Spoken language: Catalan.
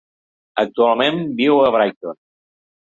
Actualment viu a Brighton.